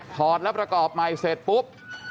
แล้วประกอบใหม่เสร็จปุ๊บ